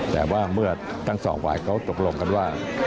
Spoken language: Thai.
แต่ว่าเมื่อทั้งสองฝ่ายเขาตกลงกันว่า